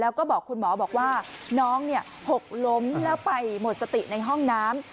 แล้วก็บอกคุณหมอบอกว่าน้องหกล้มแล้วไปหมดสติในห้องน้ำ